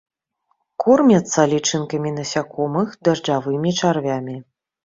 Кормяцца лічынкамі насякомых, дажджавымі чарвямі.